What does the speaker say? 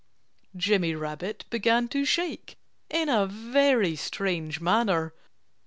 Jimmy Rabbit began to shake in a very strange manner.